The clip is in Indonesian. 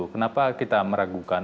kenapa kita meragukan